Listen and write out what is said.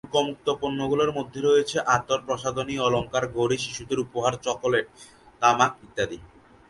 শুল্ক-মুক্ত পণ্যগুলির মধ্যে রয়েছে আতর, প্রসাধনী, অলঙ্কার, ঘড়ি, শিশুদের উপহার, চকোলেট, তামাক ইত্যাদি।